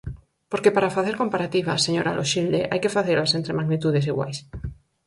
Porque para facer comparativas, señora Loxilde, hai que facelas entre magnitudes iguais.